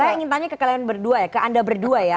saya ingin tanya ke kalian berdua ya ke anda berdua ya